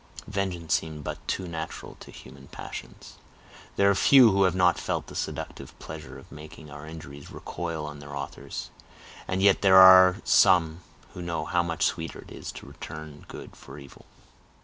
Vengeance seems but too natural to human passions. There are few who have not felt the seductive pleasure of making our injuries recoil on their authors; and yet there are some who know how much sweeter it is to return good for evil.